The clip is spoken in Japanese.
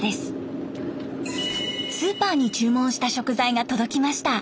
スーパーに注文した食材が届きました。